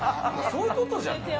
そういうことじゃない！